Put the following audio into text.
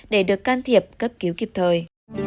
để được can thiệp cấp cứu kịp thời